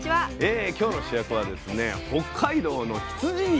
今日の主役はですね北海道の羊肉。